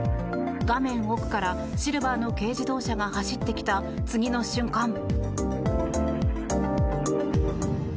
画面奥からシルバーの軽自動車が走ってきた次の瞬間。